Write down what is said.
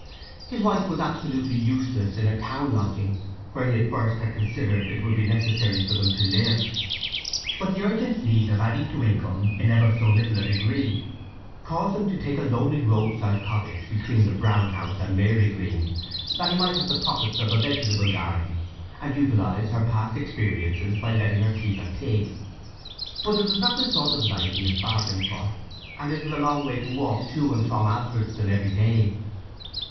His wife was absolutely useless in a town lodging, where he at first had considered it would be necessary for them to live. But the urgent need of adding to income in ever so little a degree caused him to take a lonely roadside cottage between the Brown House and Marygreen, that he might have the profits of a vegetable garden, and utilize her past experiences by letting her keep a pig. But it was not the sort of life he had bargained for, and it was a long way to walk to and from Alfredston every day.